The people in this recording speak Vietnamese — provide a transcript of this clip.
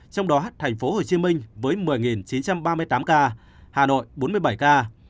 trong đó thành phố hồ chí minh với một mươi chín trăm ba mươi tám ca hà nội bốn mươi bảy ca